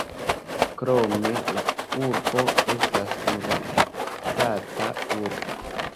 Krome la urbo estas universitata urbo.